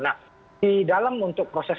nah di dalam untuk proses